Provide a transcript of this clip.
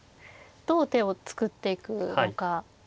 どう手を作っていくのか。